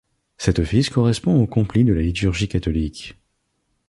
Cet office correspond aux complies de la liturgie catholique.